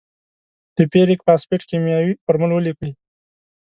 د فیریک فاسفیټ کیمیاوي فورمول ولیکئ.